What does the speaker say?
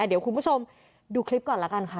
เดี๋ยวคุณผู้ชมดูคลิปก่อนแล้วกันค่ะ